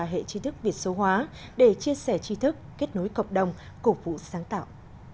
hệ tri thức việt số hóa để chia sẻ tri thức kết nối cộng đồng cổ phụ sáng tạo